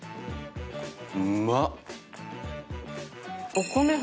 うまっ！